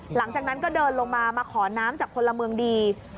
หลังจากนั้นก็เดินลงมามาขอน้ำจากพลเมืองดี